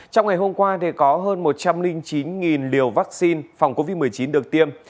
trong ngày hôm qua có hơn một trăm linh chín liều vaccine phòng covid một mươi chín được tiêm